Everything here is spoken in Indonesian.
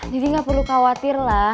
deddy gak perlu khawatir lah